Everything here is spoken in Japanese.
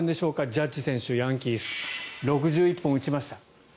ジャッジ選手、ヤンキース６１本打ちました。